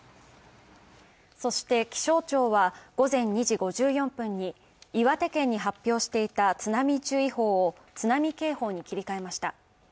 そして、気象庁は午前２時５４分に岩手県に発表していた津波注意報を津波警報に切り替えました。